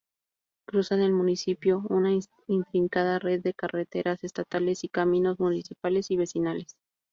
Cruzan el municipio una intrincada red de carreteras estatales y caminos municipales y vecinales.